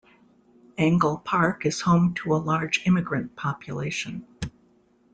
Angle Park is home to a large immigrant population.